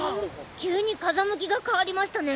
急に風向きが変わりましたね。